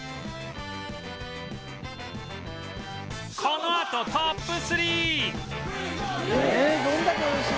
このあとトップ ３！